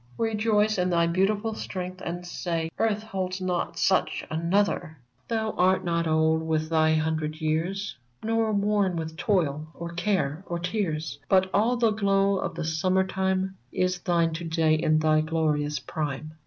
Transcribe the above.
Rejoice in thy beautiful strength and say Earth holds not such another ! 124 VERMONT Thou art not old with thy hundred years, Nor worn with toil, or care, or tears : But all the glow of the summer time Is thine to day in thy glorious prime